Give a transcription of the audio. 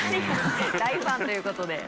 大ファンということで。